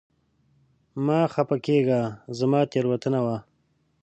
مه په خښم کېږه ، زما تېروتنه وه !